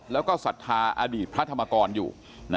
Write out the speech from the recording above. แล้วก็ศรัทธาอดีตพระธรรมกรอยู่